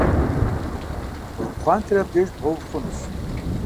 Уи пхъуантэр абдеж бгъэув хъунущ.